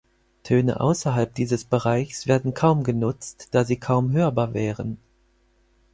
Töne außerhalb dieses Bereichs werden kaum genutzt, da sie kaum hörbar wären.